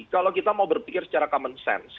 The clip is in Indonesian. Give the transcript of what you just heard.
kalau kita mau berpikir secara common sense